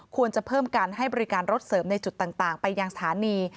ควรจะเพิ่มการให้บริการรถเสริมในจุดต่างไปยังสถานี